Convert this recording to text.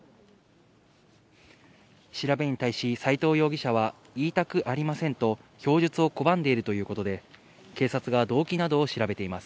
調べに対し斎藤容疑者は、言いたくありませんと供述を拒んでいるということで、警察が動機などを調べています。